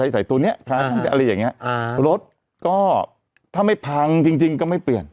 ใส่ตัวนี้อะไรอย่างเงี้รถก็ถ้าไม่พังจริงจริงก็ไม่เปลี่ยน